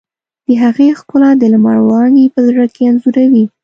د هغې ښکلا د لمر وړانګې په زړه کې انځوروي.